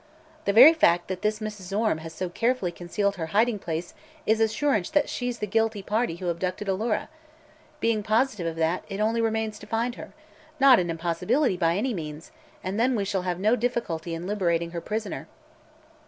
The very fact that this Mrs. Orme has so carefully concealed her hiding place is assurance that she's the guilty party who abducted Alora. Being positive of that, it only remains to find her not an impossibility, by any means and then we shall have no difficulty in liberating her prisoner."